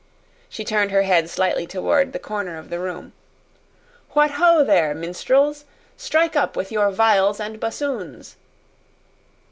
She turned her head slightly toward the corner of the room. "What, ho, there, minstrels! Strike up with your viols and bassoons.